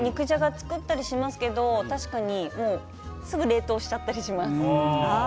作ったりしますけど、確かにすぐ冷凍しちゃったりします。